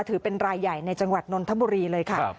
ถือเป็นรายใหญ่ในจังหวัดนนทบุรีเลยค่ะ